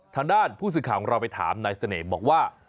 ทางด้านผู้สื่อข่าวของเราไปถามนายเสน่ห์บอกว่า